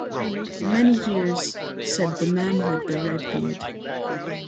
“Many years,” said the man with the red beard.